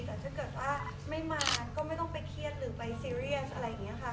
แต่ถ้าเกิดว่าไม่มาก็ไม่ต้องไปเครียดหรือไปซีเรียสอะไรอย่างนี้ค่ะ